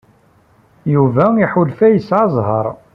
Yuba iḥulfa yesɛa zzheṛ.